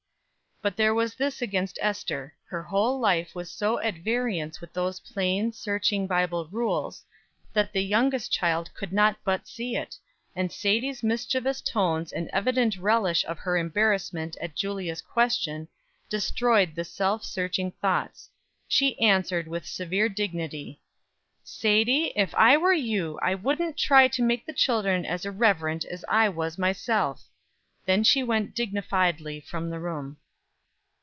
But there was this against Ester her whole life was so at variance with those plain, searching Bible rules, that the youngest child could not but see it; and Sadie's mischievous tones and evident relish of her embarrassment at Julia's question, destroyed the self searching thoughts. She answered, with severe dignity: "Sadie, if I were you, I wouldn't try to make the children as irreverent as I was myself." Then she went dignifiedly from the room.